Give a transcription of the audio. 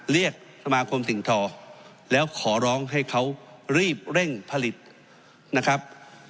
เรียกสมาคมสิ่งทอแล้วขอร้องให้เขารีบเร่งผลิตนะครับ